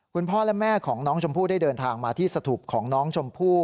คุณพ่อและแม่ของน้องชมพู่ได้เดินทางมาที่สถุปของน้องชมพู่